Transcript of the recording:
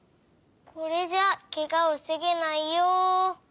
これじゃケガをふせげないよ。